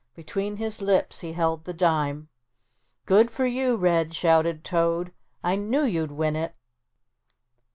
Between his lips he held the dime. "Good for you, Red," shouted Toad, "I knew you'd win it."